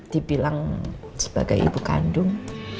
dibilang sebagai ibu kandung